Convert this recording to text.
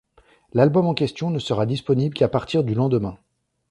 L'album en question ne sera disponible qu'à partir du lendemain.